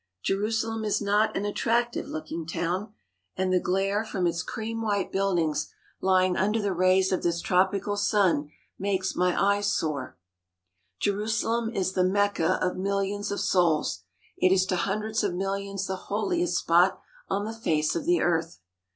Jeru salem is not an attractive looking town, and the glare 39 THE HOLY LAND AND SYRIA from its cream white buildings lying under the rays of this tropical sun makes my eyes sore. Jerusalem is the Mecca of millions of souls. It is to hundreds of millions the holiest spot on the face of the earth.